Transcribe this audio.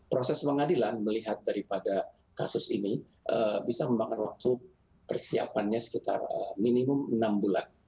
proses pengadilan melihat daripada kasus ini bisa memakan waktu persiapannya sekitar minimum enam bulan